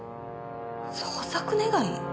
捜索願？